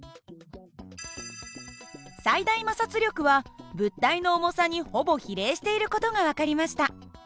最大摩擦力は物体の重さにほぼ比例している事が分かりました。